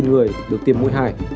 gần ba trăm linh người được tiêm mũi hai